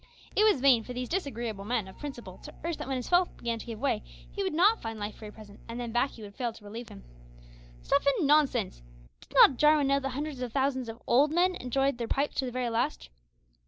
It was vain for these disagreeable men of principle to urge that when his health began to give way he would not find life very pleasant, and then "baccy" would fail to relieve him. Stuff and nonsense? Did not Jarwin know that hundreds of thousands of old men enjoyed their pipes to the very last.